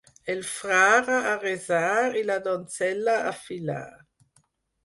El frare a resar i la donzella a filar.